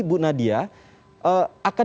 ibu nadia akan